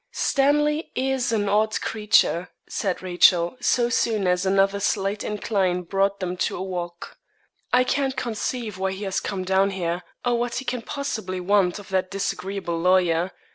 'Stanley is an odd creature,' said Rachel, so soon as another slight incline brought them to a walk; 'I can't conceive why he has come down here, or what he can possibly want of that disagreeable lawyer.